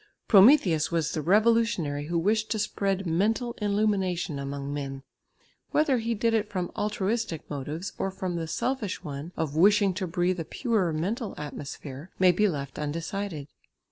Prometheus was the revolutionary who wished to spread mental illumination among men. Whether he did it from altruistic motives, or from the selfish one of wishing to breathe a purer mental atmosphere, may be left undecided.